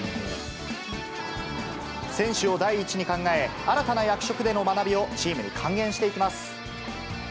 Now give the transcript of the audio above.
ま選手を第一に考え、新たな役職での学びをチームに還元していきます。